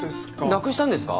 なくしたんですか？